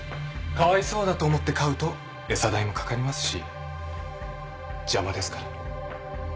かわいそうだと思って飼うと餌代も掛かりますし邪魔ですから。